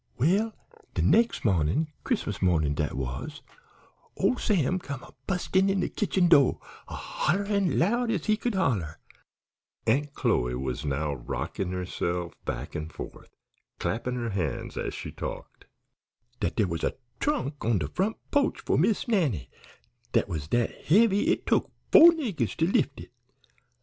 "Well, de nex' mawnin' Chris'mas mawnin' dat was ole Sam come a bustin' in de kitchen do', a hollerin' loud as he could holler" Aunt Chloe was now rocking herself back and forth, clapping her hands as she talked "dat dere was a trunk on de front po'ch for Miss Nannie dat was dat heavy it tuk fo' niggers to lif it.